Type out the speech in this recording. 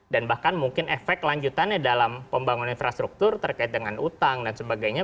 dan bahkan mungkin efek lanjutannya dalam pembangunan infrastruktur terkait dengan utang dan sebagainya